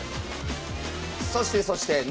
そして